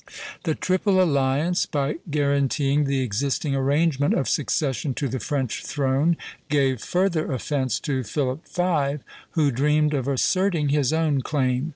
The Triple Alliance, by guaranteeing the existing arrangement of succession to the French throne, gave further offence to Philip V., who dreamed of asserting his own claim.